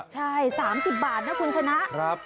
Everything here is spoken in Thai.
ใช่๓๐บาทนะคุณชนะ